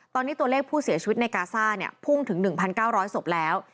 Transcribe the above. ตอนนี้ตัวเลขผู้เสียชีวิตในกาซ่าพุ่งถึง๑๙๐๐ศพแล้ว